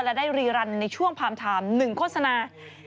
และได้รีรันดร์ในช่วงพาร์มทาม๑โฆษณา